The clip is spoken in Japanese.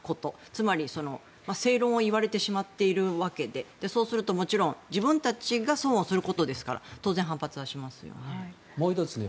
つまり、正論を言われてしまっているわけでそうすると、もちろん自分たちが損をすることですから当然、反発はしますよね。